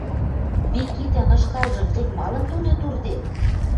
Микитӓн ышкалжым тӹнь малын тонет урдет?